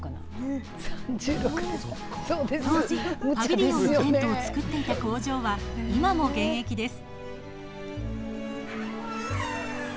当時、パビリオンのテントを作っていた工場は今も現役です。